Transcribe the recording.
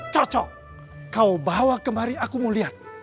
cocok kau bawa kemari aku mau lihat